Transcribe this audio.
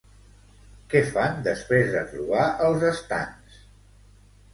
Què fan després de trobar els estants?